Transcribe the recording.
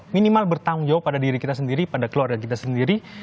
minimal bertanggung jawab pada diri kita sendiri pada keluarga kita sendiri